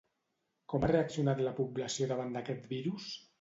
Com ha reaccionat la població davant d'aquest virus?